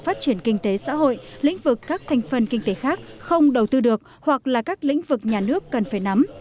phát triển kinh tế xã hội lĩnh vực các thành phần kinh tế khác không đầu tư được hoặc là các lĩnh vực nhà nước cần phải nắm